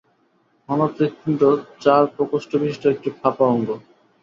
মানব হৃৎপিণ্ড চার প্রকোষ্ঠ বিশিষ্ট একটি ফাঁপা অঙ্গ।